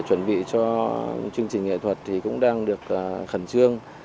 chuẩn bị cho chương trình nghệ thuật thì cũng đang được khẩn trương